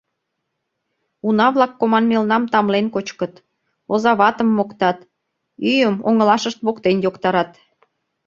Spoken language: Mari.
Уна-влак команмелнам тамлен кочкыт, озаватым моктат, ӱйым оҥылашышт воктен йоктарат.